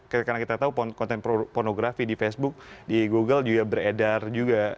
karena kita tahu konten pornografi di facebook di google juga beredar juga